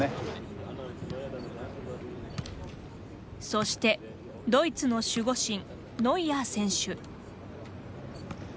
そして、ドイツの守護神ノイアー選手。